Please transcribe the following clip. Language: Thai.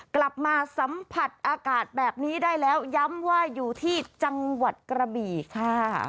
กลับมาสัมผัสอากาศแบบนี้ได้แล้วย้ำว่าอยู่ที่จังหวัดกระบี่ค่ะ